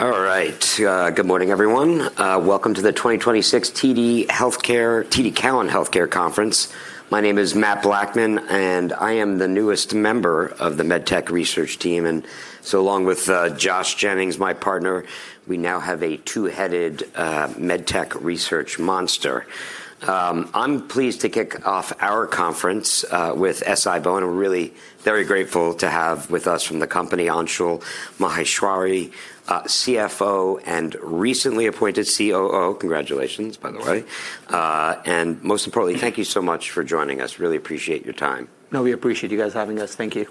All right. Good morning, everyone. Welcome to the 2026 TD Cowen Healthcare Conference. My name is Matt Blackman, and I am the newest member of the MedTech research team. Along with Joshua Jennings, my partner, we now have a two-headed MedTech research monster. I'm pleased to kick off our conference with SI-BONE. We're really very grateful to have with us from the company Anshul Maheshwari, CFO and recently appointed COO. Congratulations, by the way. Most importantly, thank you so much for joining us. Really appreciate your time. No, we appreciate you guys having us. Thank you.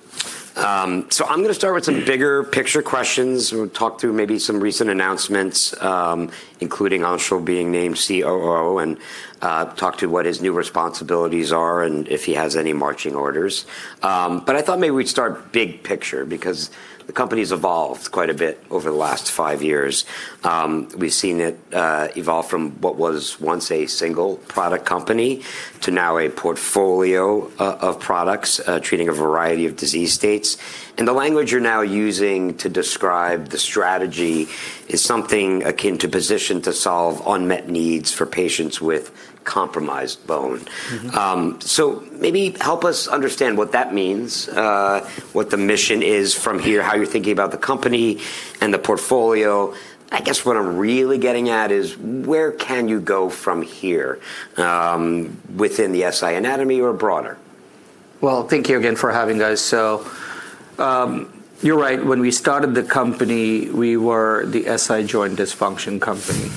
I'm gonna start with some bigger picture questions. We'll talk through maybe some recent announcements, including Anshul being named COO and talk to what his new responsibilities are and if he has any marching orders. I thought maybe we'd start big picture because the company's evolved quite a bit over the last five years. We've seen it evolve from what was once a single product company to now a portfolio of products, treating a variety of disease states. The language you're now using to describe the strategy is something akin to position to solve unmet needs for patients with compromised bone. Mm-hmm. Maybe help us understand what that means, what the mission is from here, how you're thinking about the company and the portfolio. I guess what I'm really getting at is where can you go from here, within the SI anatomy or broader? Thank you again for having us. You're right. When we started the company, we were the SI joint dysfunction company.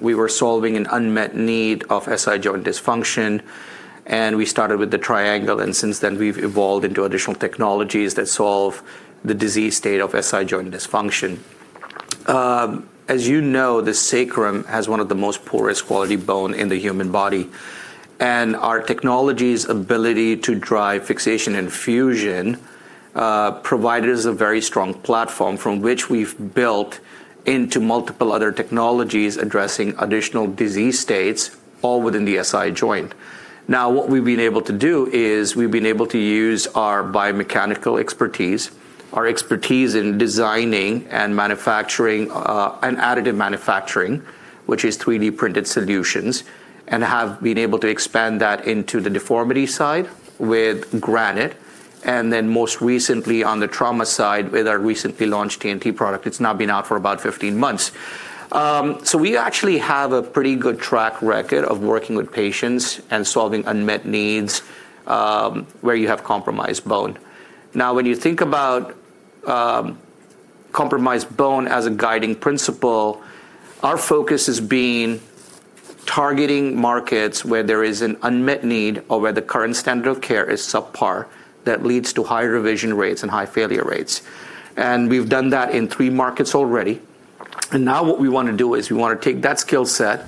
We were solving an unmet need of SI joint dysfunction, and we started with the Triangle, and since then we've evolved into additional technologies that solve the disease state of SI joint dysfunction. As you know, the sacrum has one of the most poorest quality bone in the human body, and our technology's ability to drive fixation and fusion provided us a very strong platform from which we've built into multiple other technologies addressing additional disease states all within the SI joint. What we've been able to do is we've been able to use our biomechanical expertise, our expertise in designing and manufacturing, and additive manufacturing, which is 3D-printed solutions, and have been able to expand that into the deformity side with Granite, and then most recently on the trauma side with our recently launched TNT product. It's now been out for about 15 months. We actually have a pretty good track record of working with patients and solving unmet needs, where you have compromised bone. When you think about compromised bone as a guiding principle, our focus has been targeting markets where there is an unmet need or where the current standard of care is subpar that leads to high revision rates and high failure rates. We've done that in three markets already. Now what we wanna do is we wanna take that skill set,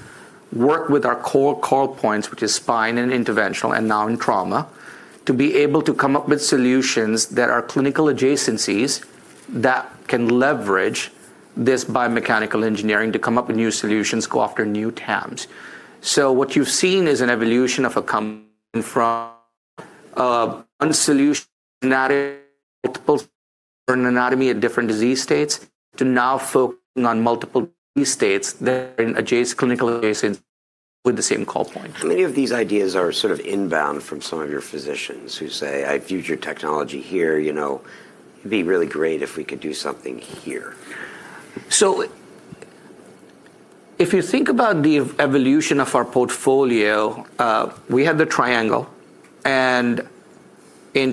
work with our core call points, which is spine and interventional and now in trauma, to be able to come up with solutions that are clinical adjacencies that can leverage this biomechanical engineering to come up with new solutions, go after new TAMs. What you've seen is an evolution of a company from one solution anatomy and different disease states to now focusing on multiple disease states that are in adjacent clinical cases with the same call point. Many of these ideas are sort of inbound from some of your physicians who say, I've used your technology here. You know, it'd be really great if we could do something here. If you think about the evolution of our portfolio, we had the Triangle, and we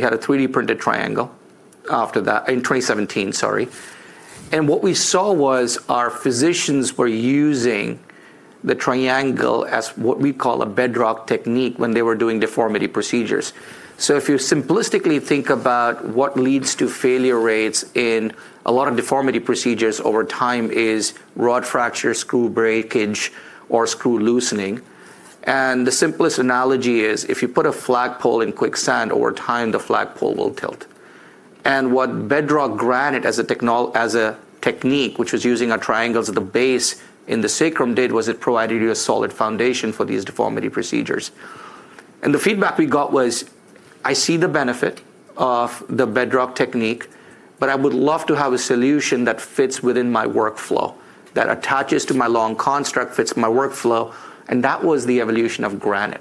had a 3D-printed Triangle in 2017, sorry. What we saw was our physicians were using the Triangle as what we call a Bedrock technique when they were doing deformity procedures. If you simplistically think about what leads to failure rates in a lot of deformity procedures over time is rod fracture, screw breakage, or screw loosening. The simplest analogy is if you put a flagpole in quicksand over time, the flagpole will tilt. What Bedrock Granite as a technique, which was using our Triangles at the base in the sacrum did, was it provided you a solid foundation for these deformity procedures. The feedback we got was, I see the benefit of the Bedrock technique, but I would love to have a solution that fits within my workflow, that attaches to my long construct, fits my workflow. That was the evolution of Granite.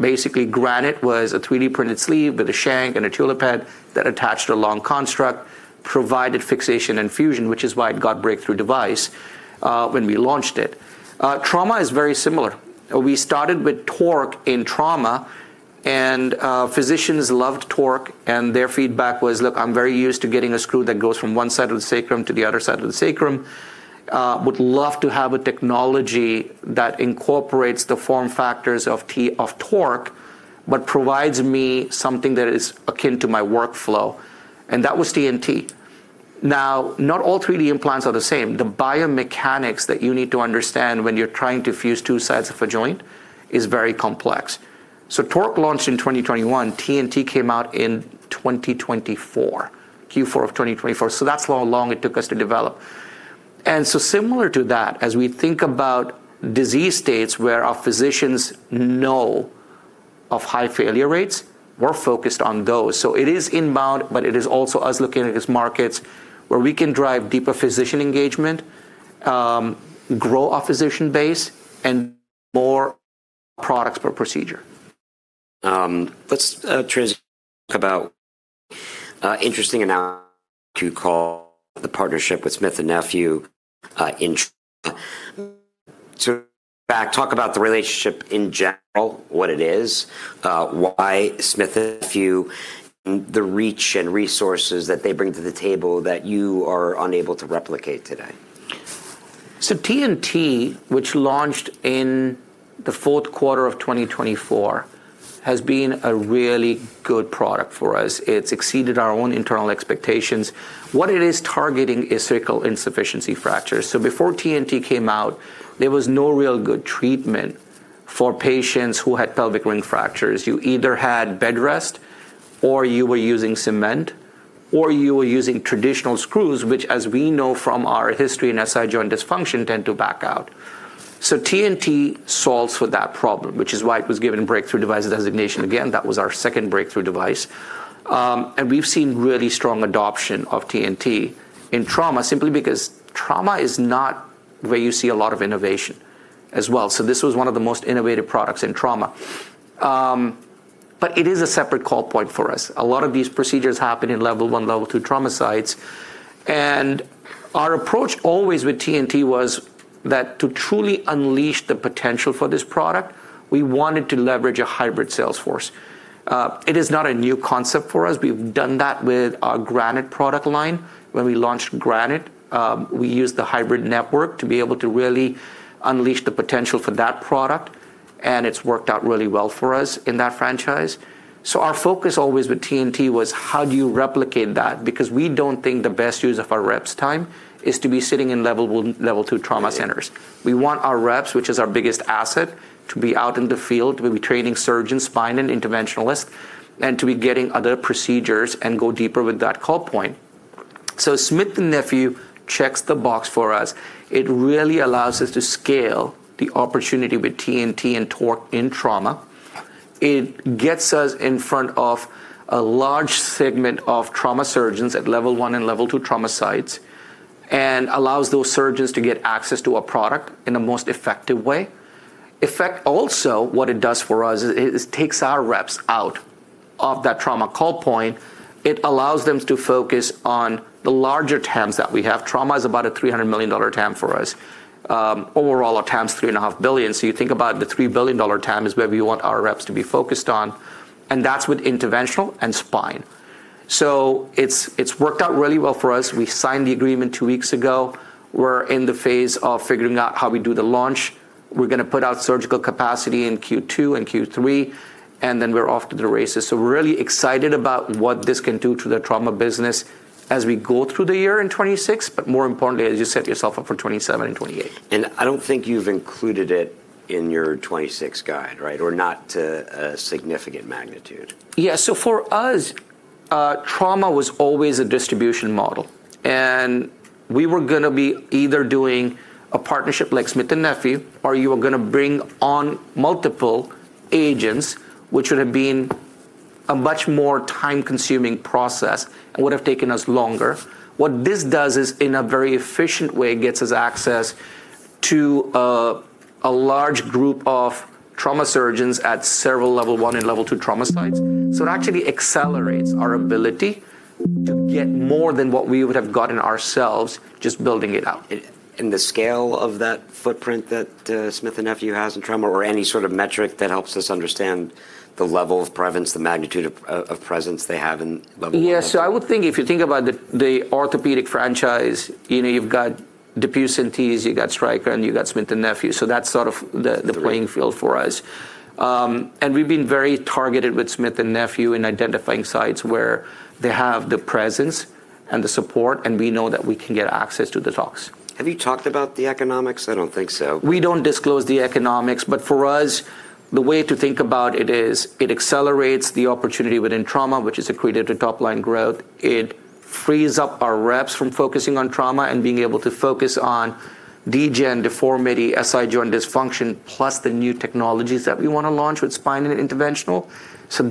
Basically, Granite was a 3D-printed sleeve with a shank and a tulip head that attached a long construct, provided fixation and fusion, which is why it got Breakthrough Device when we launched it. Trauma is very similar. We started with TORQ in trauma, physicians loved TORQ, and their feedback was, look, I'm very used to getting a screw that goes from one side of the sacrum to the other side of the sacrum. Would love to have a technology that incorporates the form factors of TORQ, but provides me something that is akin to my workflow. That was TNT. Not all 3D implants are the same. The biomechanics that you need to understand when you're trying to fuse two sides of a joint is very complex. TORQ launched in 2021. TNT came out in 2024, Q4 of 2024. That's how long it took us to develop. Similar to that, as we think about disease states where our physicians know of high failure rates, we're focused on those. It is inbound, but it is also us looking at these markets where we can drive deeper physician engagement, grow our physician base and more products per procedure. Let's transition about interesting amount to call the partnership with Smith+Nephew. To back talk about the relationship in general, what it Smith+Nephew, the reach and resources that they bring to the table that you are unable to replicate today? TNT, which launched in the fourth quarter of 2024, has been a really good product for us. It's exceeded our own internal expectations. What it is targeting is sacral insufficiency fractures. Before TNT came out, there was no real good treatment for patients who had pelvic ring fractures. You either had bed rest, or you were using cement, or you were using traditional screws, which as we know from our history in SI joint dysfunction, tend to back out. TNT solves for that problem, which is why it was given Breakthrough Device Designation. Again, that was our second Breakthrough Device. We've seen really strong adoption of TNT in trauma, simply because trauma is not where you see a lot of innovation as well. This was one of the most innovative products in trauma. It is a separate call point for us. A lot of these procedures happen in Level I, Level II trauma sites. Our approach always with TNT was that to truly unleash the potential for this product, we wanted to leverage a hybrid sales force. It is not a new concept for us. We've done that with our Granite product line. When we launched Granite, we used the hybrid network to be able to really unleash the potential for that product, and it's worked out really well for us in that franchise. Our focus always with TNT was how do you replicate that? Because we don't think the best use of our reps time is to be sitting in Level I, Level II trauma centers. We want our reps, which is our biggest asset, to be out in the field, to be training surgeons, spine and interventionalists, and to be getting other procedures and go deeper with that call Smith+Nephew checks the box for us. It really allows us to scale the opportunity with TNT and TORQ in trauma. It gets us in front of a large segment of trauma surgeons at Level I and Level II trauma sites and allows those surgeons to get access to a product in the most effective way. Effect also, what it does for us is takes our reps out of that trauma call point. It allows them to focus on the larger TAMs that we have. Trauma is about a $300 million TAM for us. Overall, our TAM's $3.5 billion. You think about the $3 billion TAM is where we want our reps to be focused on, and that's with interventional and spine. It's worked out really well for us. We signed the agreement two weeks ago. We're in the phase of figuring out how we do the launch. We're gonna put out surgical capacity in Q2 and Q3, and then we're off to the races. We're really excited about what this can do to the trauma business as we go through the year in 2026, but more importantly, as you set yourself up for 2027 and 2028. I don't think you've included it in your 2026 guide, right? Not to a significant magnitude. Yeah. For us, trauma was always a distribution model, and we were gonna be either doing a Smith+Nephew, or you were gonna bring on multiple agents, which would have been a much more time-consuming process and would have taken us longer. What this does is, in a very efficient way, gets us access to a large group of trauma surgeons at several Level I and Level II trauma sites. It actually accelerates our ability to get more than what we would have gotten ourselves just building it out. In the scale of that footprint Smith+Nephew has in trauma or any sort of metric that helps us understand the level of presence, the magnitude of presence they have in. Yeah. I would think if you think about the orthopedic franchise, you know, you've got DePuy Synthes, you got Stryker, and you Smith+Nephew. that's sort of the playing field for us. We've been very Smith+Nephew in identifying sites where they have the presence and the support, and we know that we can get access to the talks. Have you talked about the economics? I don't think so. We don't disclose the economics. For us, the way to think about it is it accelerates the opportunity within trauma, which is accretive to top-line growth. It frees up our reps from focusing on trauma and being able to focus on degen deformity, SI joint dysfunction, plus the new technologies that we wanna launch with spine and interventional.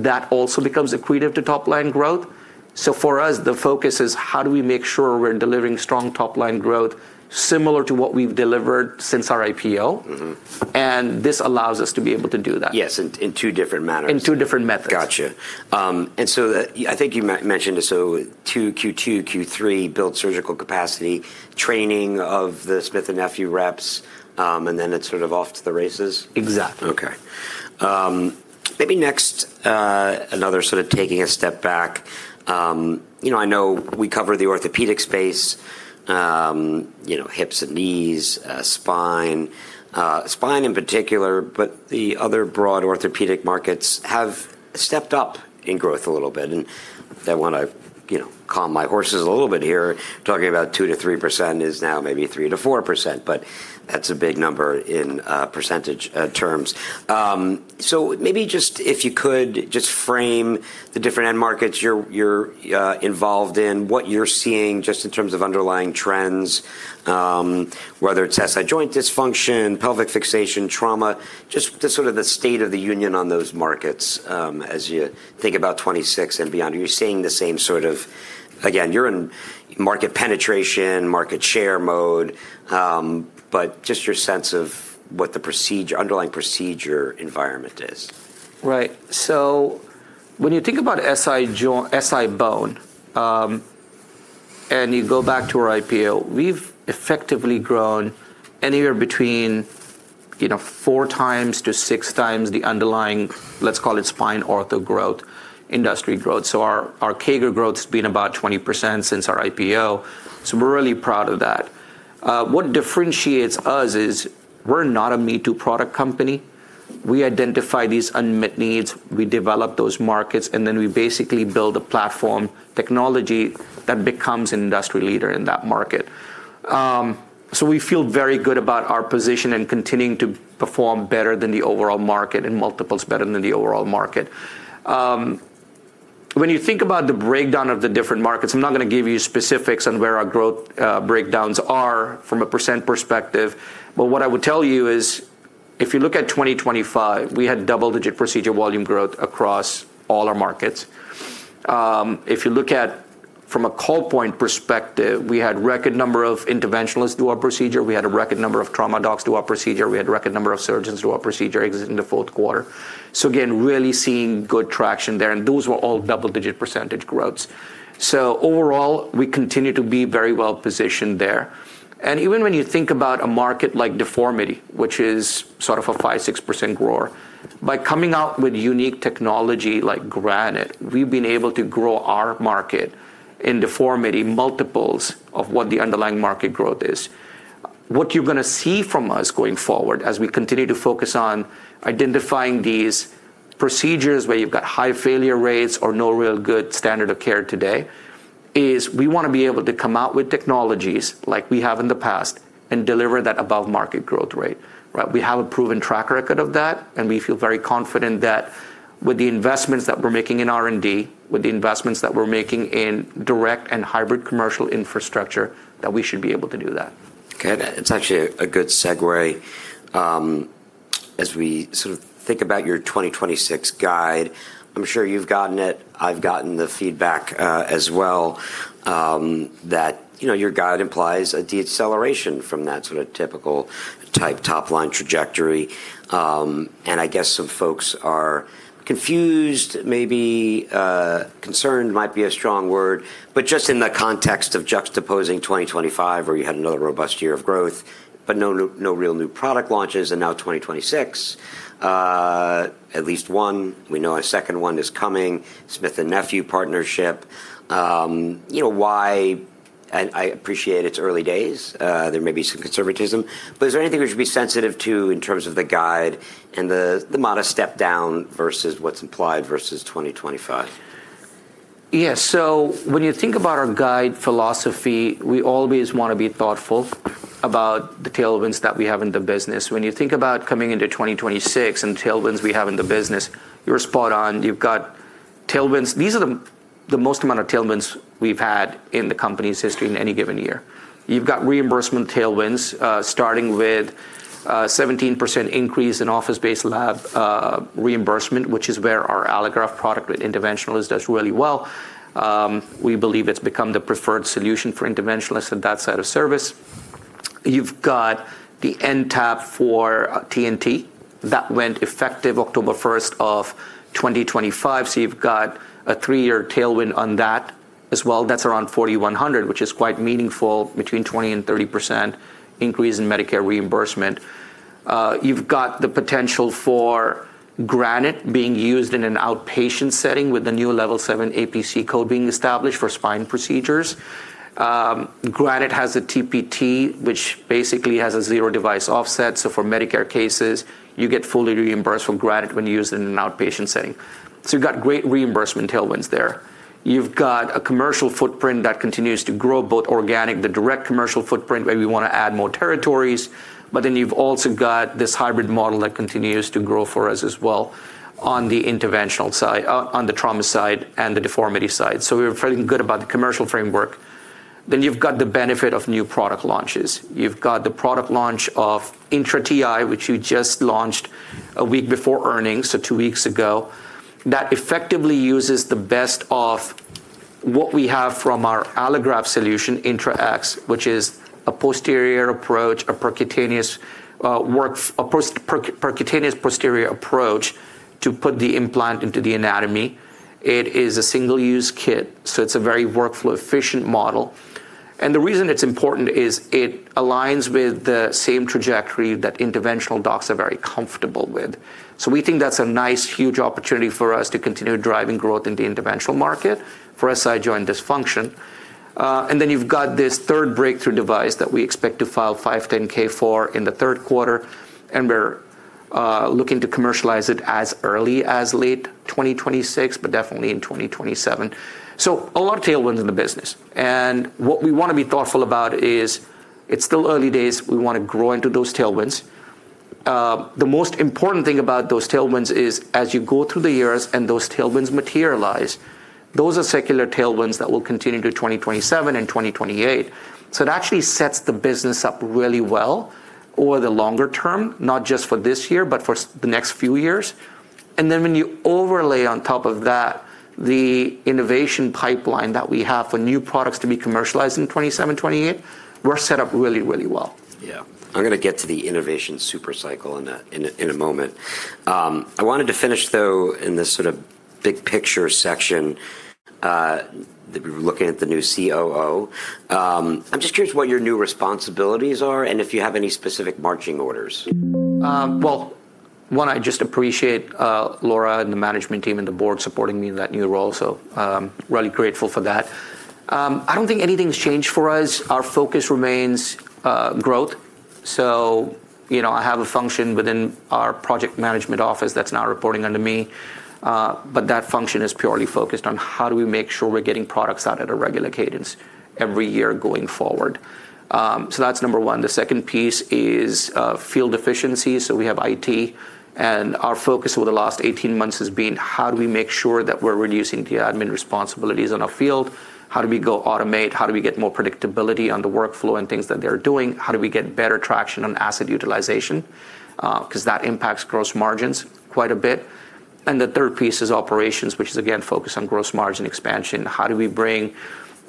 That also becomes accretive to top-line growth. For us, the focus is how do we make sure we're delivering strong top-line growth similar to what we've delivered since our IPO. Mm-hmm. This allows us to be able to do that. Yes, in two different manners. In two different methods. Gotcha. I think you mentioned this, Q2, Q3, build surgical capacity, training Smith+Nephew reps, it's sort of off to the races. Exactly. Okay. Maybe next, another sort of taking a step back. You know, I know we cover the orthopedic space, you know, hips and knees, spine in particular. The other broad orthopedic markets have stepped up in growth a little bit. I want to, you know, calm my horses a little bit here. Talking about 2%-3% is now maybe 3%-4%. That's a big number in percentage terms. Maybe just if you could just frame the different end markets you're involved in, what you're seeing just in terms of underlying trends, whether it's SI joint dysfunction, pelvic fixation, trauma, just the sort of the state of the union on those markets, as you think about 2026 and beyond. Are you seeing the same Again, you're in market penetration, market share mode, but just your sense of what the underlying procedure environment is? Right. When you think about SI-BONE, and you go back to our IPO, we've effectively grown anywhere between, you know, 4x to 6x the underlying, let's call it spine ortho growth, industry growth. Our CAGR growth's been about 20% since our IPO, we're really proud of that. What differentiates us is we're not a me-too product company. We identify these unmet needs, we develop those markets, and then we basically build a platform technology that becomes an industry leader in that market. We feel very good about our position and continuing to perform better than the overall market and multiples better than the overall market. When you think about the breakdown of the different markets, I'm not gonna give you specifics on where our growth breakdowns are from a percent perspective, but what I would tell you is if you look at 2025, we had double-digit procedure volume growth across all our markets. If you look at from a call point perspective, we had record number of interventionalists do our procedure. We had a record number of trauma docs do our procedure. We had a record number of surgeons do our procedure exiting the Q4. Again, really seeing good traction there, and those were all double-digit percent growths. Overall, we continue to be very well positioned there. Even when you think about a market like deformity, which is sort of a 5%, 6% grower, by coming out with unique technology like Granite, we've been able to grow our market in deformity multiples of what the underlying market growth is. What you're gonna see from us going forward, as we continue to focus on identifying these procedures where you've got high failure rates or no real good standard of care today, is we wanna be able to come out with technologies like we have in the past and deliver that above market growth rate, right? We have a proven track record of that, and we feel very confident that with the investments that we're making in R&D, with the investments that we're making in direct and hybrid commercial infrastructure, that we should be able to do that. Okay. That's actually a good segue. As we sort of think about your 2026 guide, I'm sure you've gotten it. I've gotten the feedback as well that, you know, your guide implies a deceleration from that sort of typical type top-line trajectory. I guess some folks are confused, maybe, concerned might be a strong word, but just in the context of juxtaposing 2025, where you had another robust year of growth, but no real new product launches, and now 2026. At least one. We know a second one is coming. Smith+Nephew partnership. You know, I appreciate it's early days. There may be some conservatism, but is there anything we should be sensitive to in terms of the guide and the modest step down versus what's implied versus 2025? Yeah. When you think about our guide philosophy, we always wanna be thoughtful about the tailwinds that we have in the business. When you think about coming into 2026 and tailwinds we have in the business, you're spot on. You've got tailwinds. These are the most amount of tailwinds we've had in the company's history in any given year. You've got reimbursement tailwinds, starting with a 17% increase in office-based lab, reimbursement, which is where our allograft product with interventionalists does really well. We believe it's become the preferred solution for interventionalists in that side of service. You've got the NTAP for TNT. That went effective October 1, 2025, so you've got a three-year tailwind on that as well. That's around $4,100, which is quite meaningful, between 20% and 30% increase in Medicare reimbursement. You've got the potential for Granite being used in an outpatient setting with the new Level 7 APC code being established for spine procedures. Granite has a TPT, which basically has a zero device offset. For Medicare cases, you get fully reimbursed for Granite when used in an outpatient setting. You've got great reimbursement tailwinds there. You've got a commercial footprint that continues to grow both organic, the direct commercial footprint, where we wanna add more territories, you've also got this hybrid model that continues to grow for us as well on the interventional side, on the trauma side and the deformity side. We're feeling good about the commercial framework. You've got the benefit of new product launches. You've got the product launch of INTRA Ti, which you just launched a week before earnings, so two weeks ago, that effectively uses the best of what we have from our allograft solution, iFuse INTRA X, which is a posterior approach, a percutaneous posterior approach to put the implant into the anatomy. It is a single-use kit, it's a very workflow efficient model. The reason it's important is it aligns with the same trajectory that interventional docs are very comfortable with. We think that's a nice huge opportunity for us to continue driving growth in the interventional market for SI joint dysfunction. You've got this third Breakthrough Device that we expect to file 510(k) for in the third quarter, and looking to commercialize it as early as late 2026, but definitely in 2027. A lot of tailwinds in the business. What we wanna be thoughtful about is it's still early days. We wanna grow into those tailwinds. The most important thing about those tailwinds is as you go through the years and those tailwinds materialize, those are secular tailwinds that will continue to 2027 and 2028. It actually sets the business up really well over the longer term, not just for this year, but for the next few years. Then when you overlay on top of that the innovation pipeline that we have for new products to be commercialized in 2027, 2028, we're set up really, really well. Yeah. I'm gonna get to the innovation super cycle in a moment. I wanted to finish though in this sort of big picture section that we were looking at the new COO. I'm just curious what your new responsibilities are, and if you have any specific marching orders? Well, one, I just appreciate Laura and the management team and the board supporting me in that new role. Really grateful for that. I don't think anything's changed for us. Our focus remains growth. You know, I have a function within our project management office that's now reporting under me, but that function is purely focused on how do we make sure we're getting products out at a regular cadence every year going forward. That's number one. The second piece is field efficiency, so we have IT. Our focus over the last 18 months has been how do we make sure that we're reducing the admin responsibilities on our field? How do we go automate? How do we get more predictability on the workflow and things that they're doing? How do we get better traction on asset utilization? 'Cause that impacts gross margins quite a bit. The third piece is operations, which is again, focused on gross margin expansion. How do we bring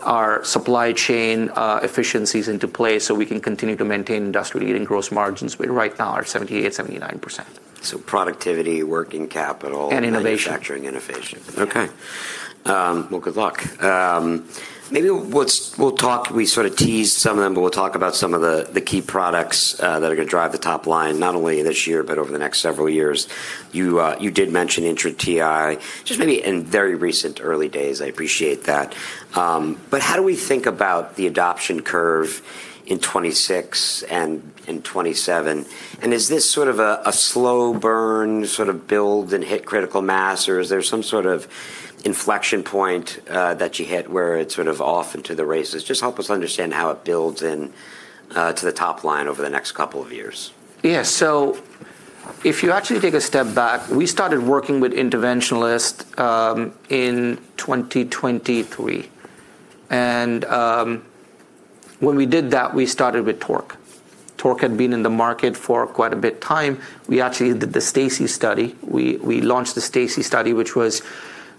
our supply chain efficiencies into play, so we can continue to maintain industry-leading gross margins? We right now are 78%, 79%. Productivity, working capital- Innovation. Manufacturing innovation. Okay. Well, good luck. Maybe we'll talk we sort of teased some of them, but we'll talk about some of the key products that are gonna drive the top line, not only this year, but over the next several years. You did mention INTRA Ti, just maybe in very recent early days. I appreciate that. How do we think about the adoption curve in 2026 and in 2027? Is this sort of a slow burn, sort of build then hit critical mass, or is there some sort of inflection point that you hit where it's sort of off and to the races? Just help us understand how it builds and to the top line over the next couple of years. If you actually take a step back, we started working with interventionalists in 2023. When we did that, we started with TORQ. TORQ had been in the market for quite a bit time. We actually did the STACI study. We launched the STACI study, which was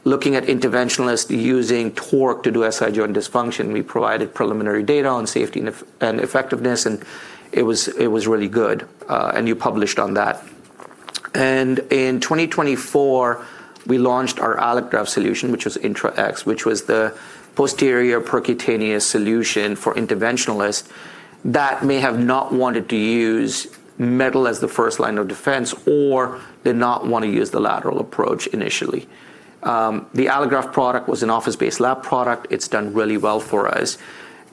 looking at interventionalists using TORQ to do SI joint dysfunction. We provided preliminary data on safety and effectiveness, and it was really good, and you published on that. In 2024, we launched our allograft solution, which was INTRA X, which was the posterior percutaneous solution for interventionalists that may have not wanted to use metal as the first line of defense or did not wanna use the lateral approach initially. The allograft product was an office-based lab product. It's done really well for us.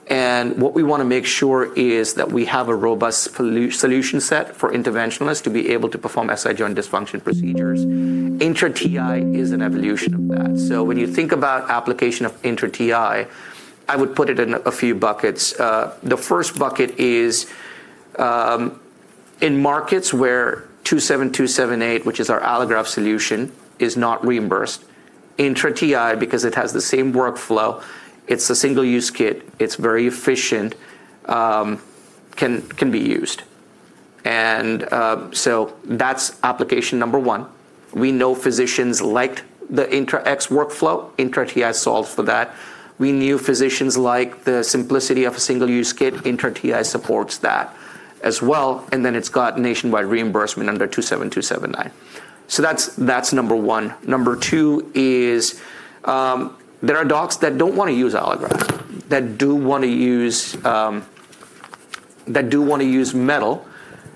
What we want to make sure is that we have a robust solution set for interventionalists to be able to perform SI joint dysfunction procedures. INTRA Ti is an evolution of that. When you think about application of INTRA Ti, I would put it in a few buckets. The first bucket is in markets where 27278, which is our allograft solution, is not reimbursed. INTRA Ti, because it has the same workflow, it's a single-use kit, it's very efficient, can be used. That's application number one. We know physicians liked the INTRA X workflow. INTRA Ti solved for that. We knew physicians like the simplicity of a single-use kit. INTRA Ti supports that as well, it's got nationwide reimbursement under 27279. That's number one. Number two is, there are docs that don't wanna use allograft, that do wanna use, that do wanna use metal.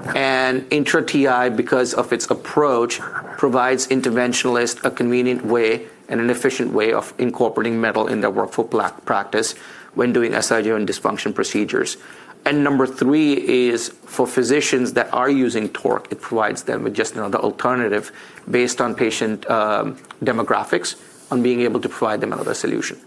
INTRA Ti, because of its approach, provides interventionalists a convenient way and an efficient way of incorporating metal in their workflow practice when doing SIJ dysfunction procedures. Number three is for physicians that are using TORQ, it provides them with just another alternative based on patient demographics on being able to provide them another solution.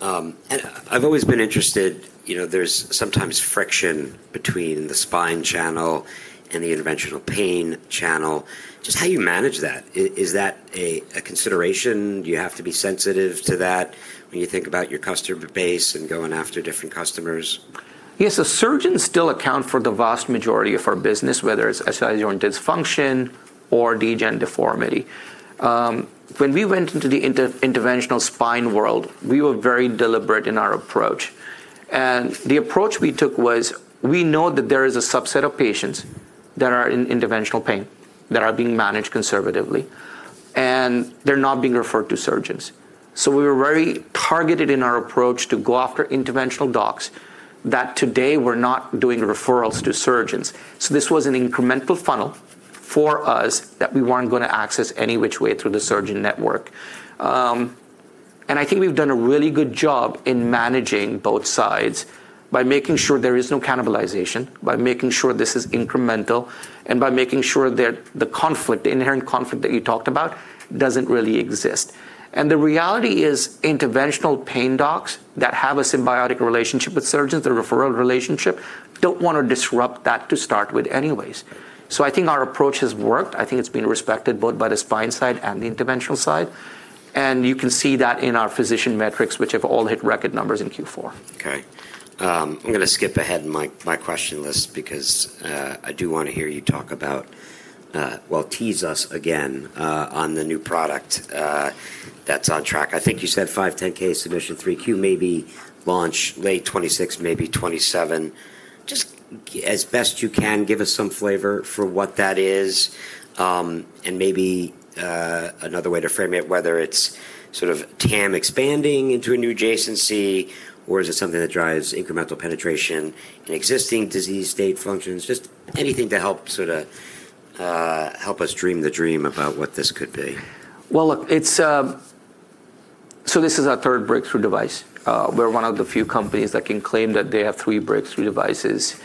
I've always been interested, you know, there's sometimes friction between the spine channel and the interventional pain channel. Just how you manage that. Is that a consideration? Do you have to be sensitive to that when you think about your customer base and going after different customers? Yes. Surgeons still account for the vast majority of our business, whether it's SI joint dysfunction or degenerative deformity. When we went into the interventional spine world, we were very deliberate in our approach. The approach we took was, we know that there is a subset of patients that are in interventional pain that are being managed conservatively, and they're not being referred to surgeons. We were very targeted in our approach to go after interventional docs that today were not doing referrals to surgeons. This was an incremental funnel for us that we weren't gonna access any which way through the surgeon network. I think we've done a really good job in managing both sides by making sure there is no cannibalization, by making sure this is incremental, and by making sure that the conflict, the inherent conflict that you talked about, doesn't really exist. The reality is interventional pain docs that have a symbiotic relationship with surgeons, the referral relationship, don't wanna disrupt that to start with anyways. I think our approach has worked. I think it's been respected both by the spine side and the interventional side, and you can see that in our physician metrics, which have all hit record numbers in Q4. Okay. I'm gonna skip ahead in my question list because I do wanna hear you talk about, well, tease us again, on the new product that's on track. I think you said 510(k) submission 3Q, maybe launch late 2026, maybe 2027. Just as best you can, give us some flavor for what that is, and maybe another way to frame it, whether it's sort of TAM expanding into a new adjacency, or is it something that drives incremental penetration in existing disease state functions? Just anything to help sort of, help us dream the dream about what this could be. Well, look, it's. This is our third Breakthrough Device. We're one of the few companies that can claim that they have three Breakthrough Devices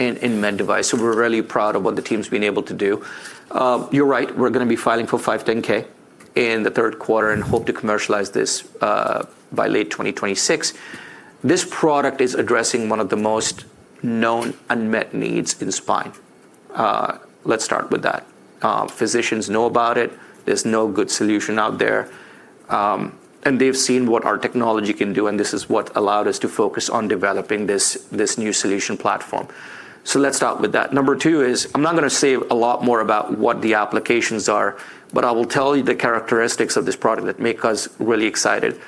in med device. We're really proud of what the team's been able to do. You're right, we're gonna be filing for 510(k) in the third quarter and hope to commercialize this by late 2026. This product is addressing one of the most known unmet needs in spine. Let's start with that. Physicians know about it. There's no good solution out there. They've seen what our technology can do, and this is what allowed us to focus on developing this new solution platform. Let's start with that. Number two is, I'm not going to say a lot more about what the applications are, but I will tell you the characteristics of this product that make us really excited.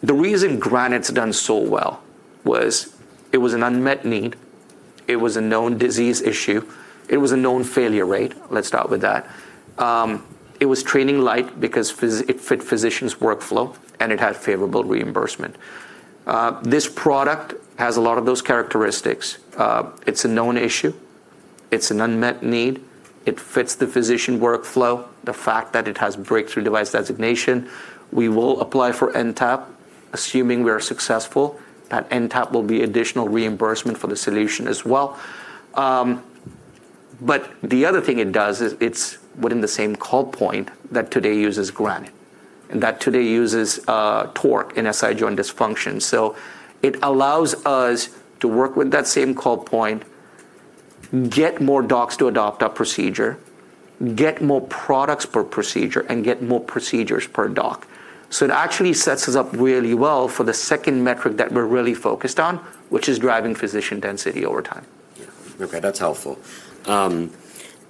The reason Granite's done so well was it was an unmet need, it was a known disease issue, it was a known failure rate. Let's start with that. It was training light because it fit physicians' workflow, and it had favorable reimbursement. This product has a lot of those characteristics. It's a known issue. It's an unmet need. It fits the physician workflow. The fact that it has Breakthrough Device designation. We will apply for NTAP, assuming we are successful. That NTAP will be additional reimbursement for the solution as well. The other thing it does is it's within the same call point that today uses Granite and that today uses iFuse-TORQ in SI joint dysfunction. It allows us to work with that same call point, get more docs to adopt our procedure, get more products per procedure, and get more procedures per doc. It actually sets us up really well for the second metric that we're really focused on, which is driving physician density over time. Yeah. Okay, that's helpful.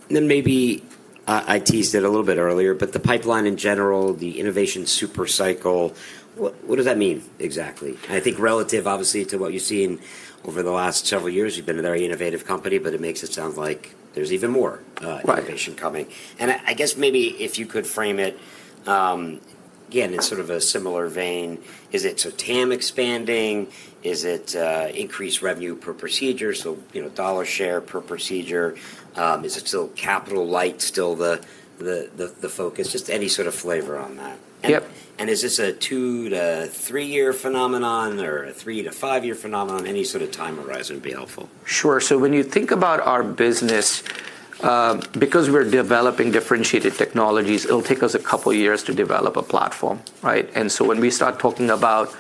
Maybe I teased it a little bit earlier, but the pipeline in general, the innovation super cycle, what does that mean exactly? I think relative obviously to what you've seen over the last several years, you've been a very innovative company, but it makes it sound like there's even more. Right Innovation coming. I guess maybe if you could frame it, again, in sort of a similar vein. Is it a TAM expanding? Is it increased revenue per procedure? You know, dollar share per procedure. Is it still capital light, still the focus? Just any sort of flavor on that. Yep. Is this a two to three-year phenomenon or a three to five-year phenomenon? Any sort of time horizon would be helpful. Sure. When you think about our business, because we're developing differentiated technologies, it'll take us a couple of years to develop a platform, right? When we start talking about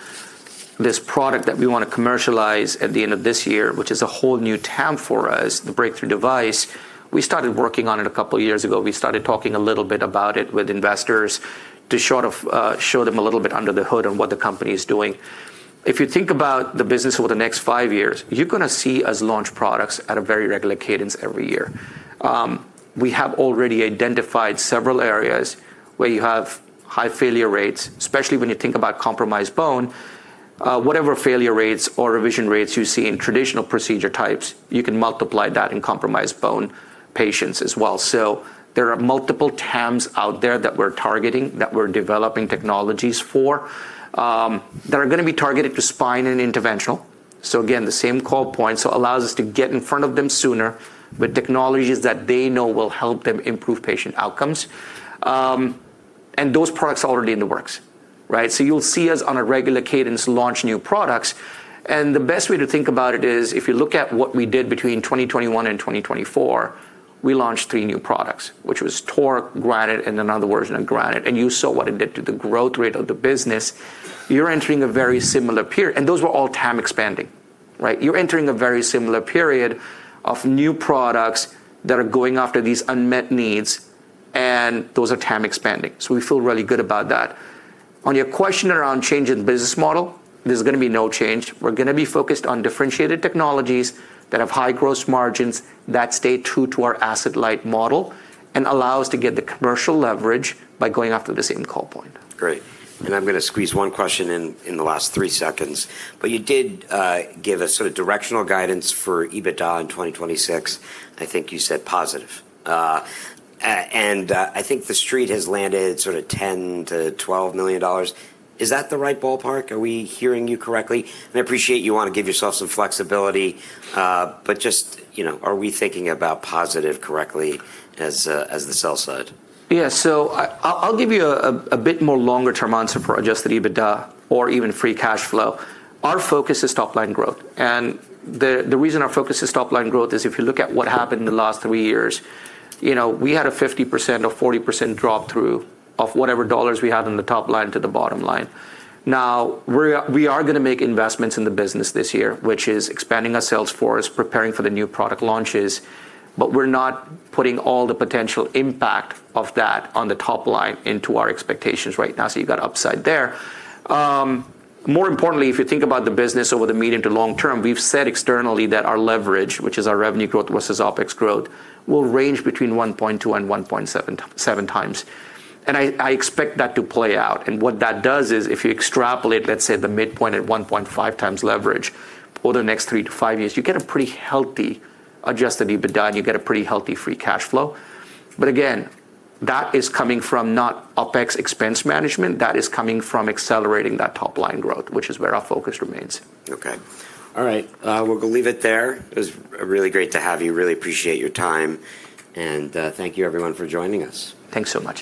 this product that we wanna commercialize at the end of this year, which is a whole new TAM for us, the Breakthrough Device, we started working on it a couple years ago. We started talking a little bit about it with investors to sort of show them a little bit under the hood on what the company is doing. If you think about the business over the next five years, you're gonna see us launch products at a very regular cadence every year. We have already identified several areas where you have high failure rates, especially when you think about compromised bone. Whatever failure rates or revision rates you see in traditional procedure types, you can multiply that in compromised bone patients as well. There are multiple TAMs out there that we're targeting, that we're developing technologies for, that are gonna be targeted to spine and interventional. Again, the same call points allows us to get in front of them sooner with technologies that they know will help them improve patient outcomes. Those products are already in the works, right? You'll see us on a regular cadence launch new products. The best way to think about it is, if you look at what we did between 2021 and 2024, we launched three new products, which was iFuse-TORQ, Granite, and another version of Granite. You saw what it did to the growth rate of the business. You're entering a very similar period. Those were all TAM expanding, right? You're entering a very similar period of new products that are going after these unmet needs, and those are TAM expanding. We feel really good about that. On your question around change in business model, there's gonna be no change. We're gonna be focused on differentiated technologies that have high gross margins that stay true to our asset-light model and allow us to get the commercial leverage by going after the same call point. Great. I'm gonna squeeze one question in the last three seconds. You did give us sort of directional guidance for EBITDA in 2026. I think you said positive. I think the street has landed sort of $10 million-$12 million. Is that the right ballpark? Are we hearing you correctly? I appreciate you wanna give yourself some flexibility, but just, you know, are we thinking about positive correctly as the sell side? Yeah. I'll give you a bit more longer term answer for adjusted EBITDA or even free cash flow. Our focus is top line growth. The reason our focus is top line growth is if you look at what happened in the last three years, you know, we had a 50% or 40% drop-through of whatever dollar we had in the top line to the bottom line. Now, we are going to make investments in the business this year, which is expanding our sales force, preparing for the new product launches, but we're not putting all the potential impact of that on the top line into our expectations right now. You've got upside there. More importantly, if you think about the business over the medium to long term, we've said externally that our leverage, which is our revenue growth versus OpEx growth, will range between 1.2x and 1.7x. I expect that to play out. What that does is if you extrapolate, let's say, the midpoint at 1.5x leverage for the next three to five years, you get a pretty healthy adjusted EBITDA, and you get a pretty healthy free cash flow. Again, that is coming from not OpEx expense management. That is coming from accelerating that top line growth, which is where our focus remains. Okay. All right. We'll leave it there. It was really great to have you. Really appreciate your time. Thank you everyone for joining us. Thanks so much.